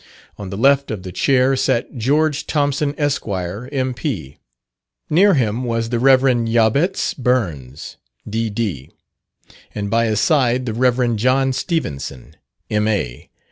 On the left of the chair sat Geo. Thompson, Esq., M.P.; near him was the Rev. Jabez Burns, D.D.; and by his side the Rev. John Stevenson, M.A.